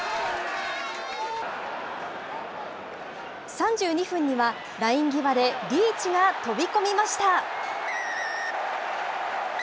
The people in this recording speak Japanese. ３２分には、ライン際でリーチが飛び込みました。